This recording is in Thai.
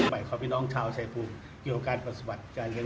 แล้วให้ลูกดีแน่นอนนะครับผม